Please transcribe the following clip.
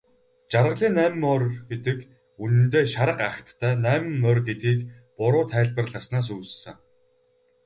Жаргалын найман морь гэж үнэндээ шарга агттай найман морь гэдгийг буруу тайлбарласнаас үүссэн.